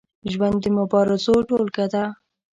ژوند د مبارزو ټولګه ده.